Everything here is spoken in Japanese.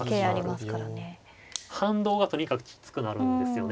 反動がとにかくきつくなるんですよね。